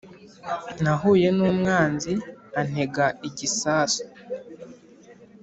Nahuye n’umwanzi antega igisasu